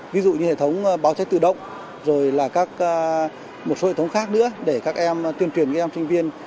ví dụ như hệ thống báo cháy tự động rồi là một số hệ thống khác nữa để các em tuyên truyền các em sinh viên